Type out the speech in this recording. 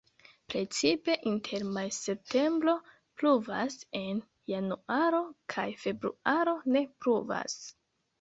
Precipe inter majo-septembro pluvas; en januaro kaj februaro ne pluvas.